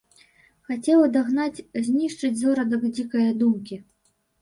Хацеў адагнаць, знішчыць зародак дзікае думкі.